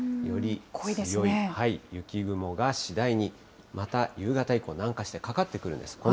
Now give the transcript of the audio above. より強い雪雲が次第に、また夕方以降、南下して、かかってくるんです。